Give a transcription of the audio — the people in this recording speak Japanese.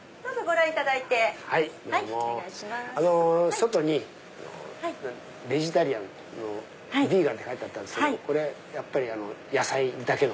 外にベジタリアンのビーガンって書いてあったけどこれやっぱり野菜だけの？